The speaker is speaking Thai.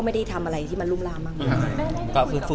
แต่เราทราบมาที่การงานเขาไหมคะ